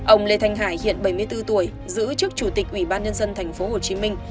ông lê thành hải hiện bảy mươi bốn tuổi giữ chức chủ tịch ủy ban nhân dân tp hồ chí minh